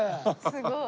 すごい。